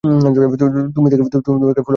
তুমি তাকে ফলো করে এখানে চলে আসছো?